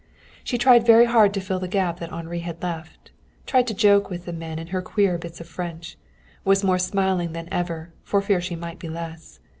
She tried very hard to fill the gap that Henri had left tried to joke with the men in her queer bits of French; was more smiling than ever, for fear she might be less.